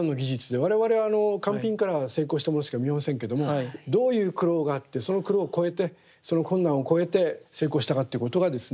我々は完品からは成功したものしか見えませんけどもどういう苦労があってその苦労を越えてその困難を越えて成功したかっていうことがですね